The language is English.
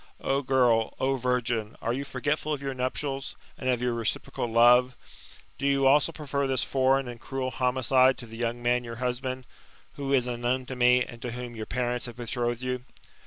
O girl, O virgin, are you forgetful of your nuptials, and of your reciprocal love ? Do you also prefer this foreign and cruel homicide to the young man your husband, who is unknown to me, and to whom your parents have be trothed you?